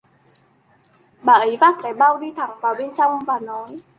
bà ấy vác cái bao đi thẳng vào bên trong và nói